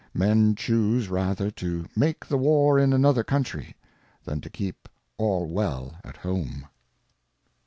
Men choose rather to make the War in another Country, than to keep all well at home.